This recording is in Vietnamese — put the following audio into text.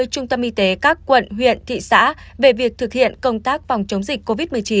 trung tâm y tế các quận huyện thị xã về việc thực hiện công tác phòng chống dịch covid một mươi chín